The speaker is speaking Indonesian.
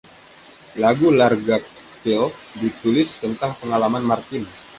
Lagu “Largactyl” ditulis tentang pengalaman Martin.